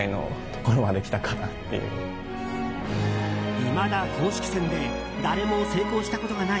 いまだ公式戦で誰も成功したことがない